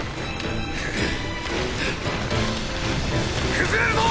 崩れるぞ。